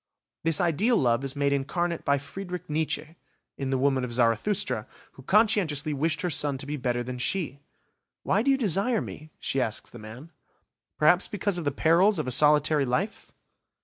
This ideal love is made incarnate by Frederick Nietzsche, in the woman of Zarathustra, who conscientiously wished her son to be better than she. "Why do you desire me?", she asks the man. "Perhaps because of the perils of a solitary life?